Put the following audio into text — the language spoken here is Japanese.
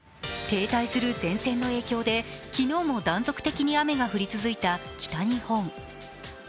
停滞する前線の影響で昨日も断続的に雨が降り続いた北日本。